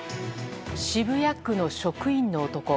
渋谷区の職員の男